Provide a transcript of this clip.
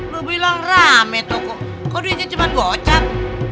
lu bilang rame toko kok duitnya cuma gocat